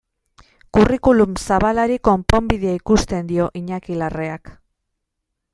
Curriculum zabalari konponbidea ikusten dio Iñaki Larreak.